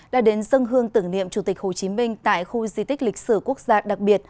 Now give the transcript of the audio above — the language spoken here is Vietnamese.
đã đến dân hương tưởng niệm chủ tịch hồ chí minh tại khu di tích lịch sử quốc gia đặc biệt